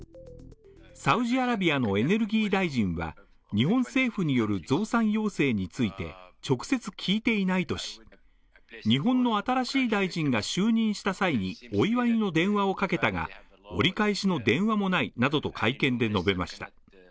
サウジアラビアのエネルギー大臣は、日本政府による増産要請について直接聞いていないとし、日本の新しい大臣が就任した際にお祝いの電話をかけたが、折り返しの電話もないなどと会見で述べました